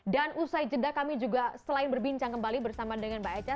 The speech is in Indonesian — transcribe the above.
dan usai jeda kami juga selain berbincang kembali bersama dengan mbak eca